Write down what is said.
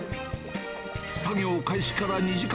作業開始から２時間。